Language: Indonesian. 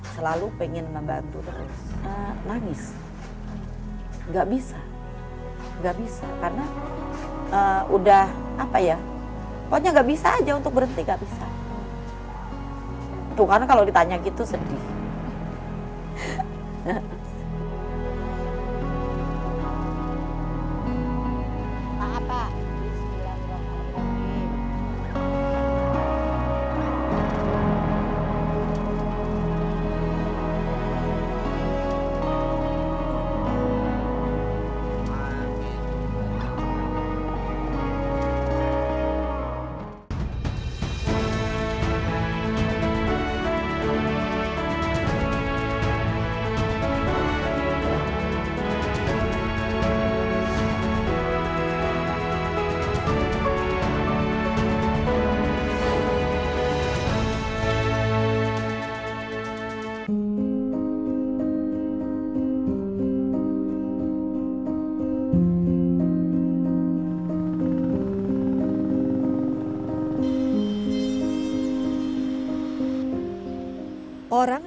selalu pengen membantu terus